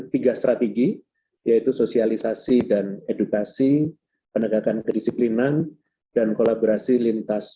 tiga strategi yaitu sosialisasi dan edukasi penegakan kedisiplinan dan kolaborasi lintas